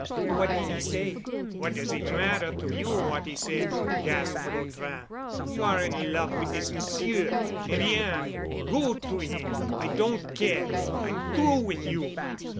What did he say?" "What does it matter to you what he said?" gasped de Vautrin. "You are in love with this monsieur. Eh bien! Go to him. I don't care. I'm through with you."